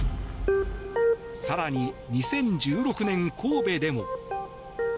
更に２０１６年、神戸でも。